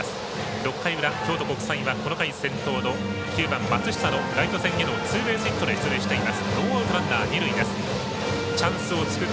６回裏、京都国際はこの回、先攻の９番松下のライト線へのツーベースヒットで出塁しています。